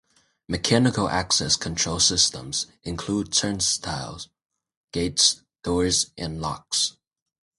"Mechanical access control systems" include turnstiles, gates, doors, and locks.